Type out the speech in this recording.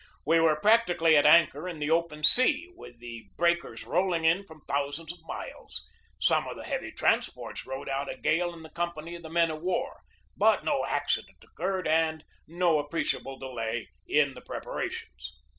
We were prac tically at anchor in the open sea, with the breakers rolling in from thousands of miles. Some of the heavy transports rode out a gale in the company of the men of war. But no accident occurred and no appreciable delay in the preparations.